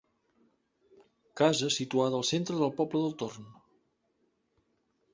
Casa situada al centre del poble del Torn.